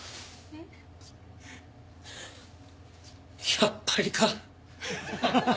やっぱりか。